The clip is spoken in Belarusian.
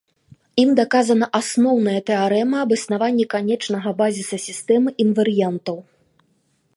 Ім даказана асноўная тэарэма аб існаванні канечнага базіса сістэмы інварыянтаў.